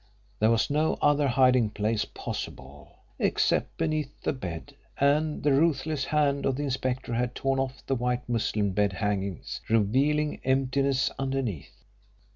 There was no other hiding place possible, except beneath the bed, and the ruthless hand of the inspector had torn off the white muslin bed hangings, revealing emptiness underneath.